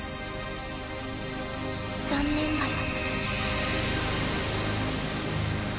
残念だよ。